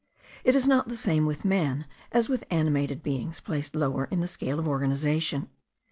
It is not the same with man as with animated beings placed lower in the scale of organization.